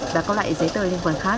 và có lại giấy tờ liên quan khác